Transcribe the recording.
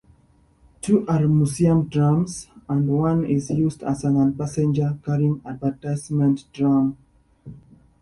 Two are museum trams, and one is used as a non-passenger carrying advertisement tram.